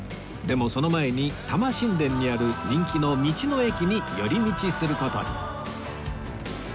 でもその前に田間新田にある人気の道の駅に寄り道する事に